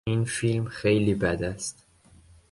این فیلم خیلی بد است.